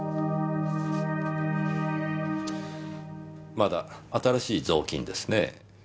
まだ新しい雑巾ですねぇ。